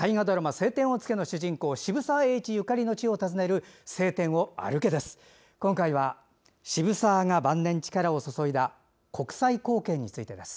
「青天を衝け」の主人公渋沢栄一ゆかりの地を訪ねる「青天を歩け！」です。